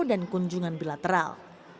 dan kunjungan bilateral